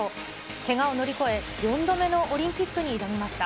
けがを乗り越え、４度目のオリンピックに挑みました。